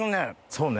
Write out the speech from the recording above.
そうね。